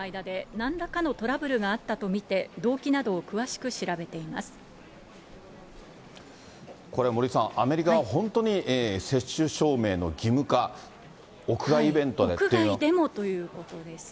なんらかのトラブルがあったと見て、動機などを詳しく調べてこれ森さん、アメリカは本当に接種証明の義務化、屋外でもということですね。